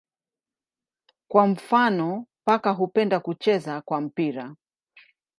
Kwa mfano paka hupenda kucheza kwa mpira.